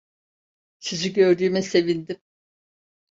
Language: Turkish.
Sizi gördüğüme sevindim.